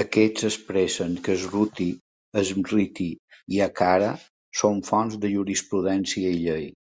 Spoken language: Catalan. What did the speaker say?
Aquests expressen que Shruti, Smriti i Achara són fonts de jurisprudència i llei.